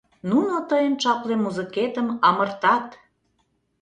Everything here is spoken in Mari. Нуно тыйын чапле музыкетым амыртат!